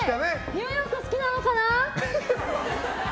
ニューヨーク好きなのかな？